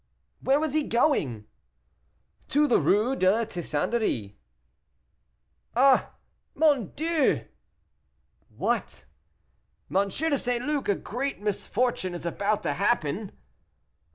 "Where was he going?" "To the Rue de la Tixanderie." "Ah! mon Dieu!" "What?" "M. de St. Luc, a great misfortune is about to happen."